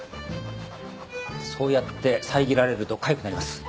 そうやって遮られるとかゆくなります。